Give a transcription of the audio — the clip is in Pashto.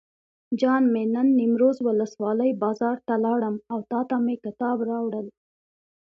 جان مې نن نیمروز ولسوالۍ بازار ته لاړم او تاته مې کتاب راوړل.